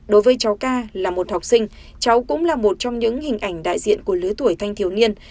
đối với cháu ca là một học sinh cháu cũng là một trong những hình ảnh đại diện của lứa tuổi thanh thiếu niên